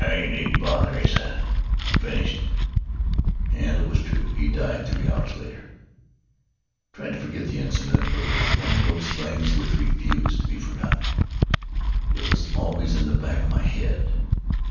'You needn't bother,' he said. 'I'm finished.' And it was true. He died three hours later. "I tried to forget the incident, but it was one of those things which refuse to be forgotten. It was always in the back of my head.